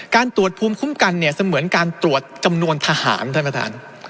การตรวจภูมิคุ้มกันเนี่ยเสมือนการตรวจจำนวนทหารท่านประธาน